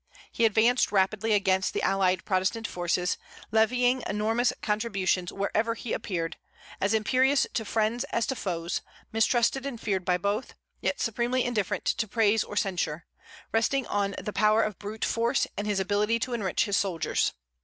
He advanced rapidly against the allied Protestant forces, levying enormous contributions wherever he appeared; as imperious to friends as to foes, mistrusted and feared by both, yet supremely indifferent to praise or censure; resting on the power of brute force and his ability to enrich his soldiers.